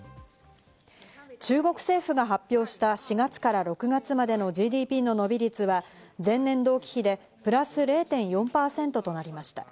中国政府が発表した、４月から６月までのＧＤＰの伸び率は前年同期比でプラス０．４％となりました。